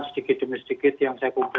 sedikit demi sedikit yang saya kumpulkan itu